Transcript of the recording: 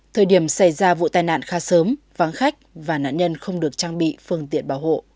thời điểm xảy ra vụ tai nạn khá sớm vắng khách và nạn nhân không được trang bị phương tiện bảo hộ